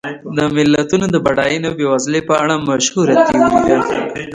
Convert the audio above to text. د ملتونو د بډاینې او بېوزلۍ په اړه مشهوره تیوري ده.